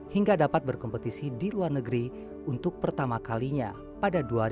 hingga dapat berkompetisi di luar negeri untuk pertama kalinya pada dua ribu dua puluh